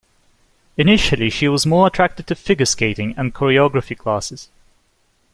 Initially, she was more attracted to figure skating and choreography classes.